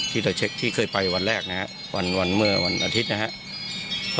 ที่เราเช็คที่เคยไปวันแรกนะครับวันเมื่อวันอาทิตย์นะครับ